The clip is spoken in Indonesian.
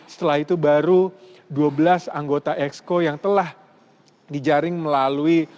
setelah itu baru dua belas anggota exco yang telah dijaring melalui